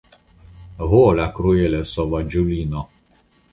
Ho, la kruela sovaĝulino.